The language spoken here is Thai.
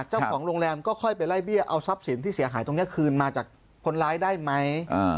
เจ้าของโรงแรมก็ค่อยไปไล่เบี้ยเอาทรัพย์สินที่เสียหายตรงนี้คืนมาจากคนร้ายได้ไหม